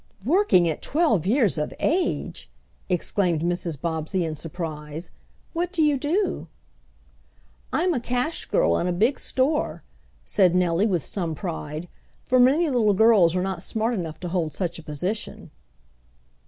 "Working at twelve years of age!" exclaimed Mrs. Bobbsey in surprise. "What do you do?" "I'm a cash girl in a big store," said Nellie with some pride, for many little girls are not smart enough to hold such a position.